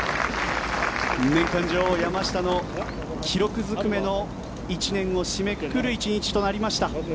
年間女王、山下の記録ずくめの１年を締めくくる１日となりました。